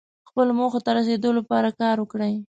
خپلو موخو ته رسیدو لپاره کار وکړئ.